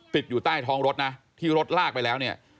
ติดอยู่ใต้ท้องรถนะที่รถลากไปแล้วเนี่ย